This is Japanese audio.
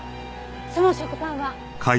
その食パンは？